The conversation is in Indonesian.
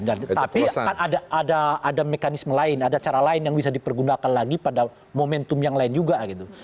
dan tapi ada ada ada mekanisme lain ada cara lain yang bisa dipergunakan lagi pada momentum yang lain juga gitu